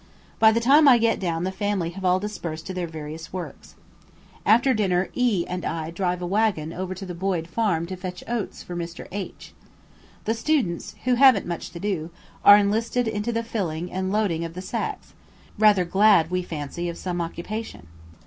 By the time I get down the family have all dispersed to their various works. After dinner E and I drive a waggon over to the Boyd Farm to fetch oats for Mr. H . The students, who haven't much to do, are enlisted into the filling and loading of the sacks; rather glad, we fancy, of some occupation.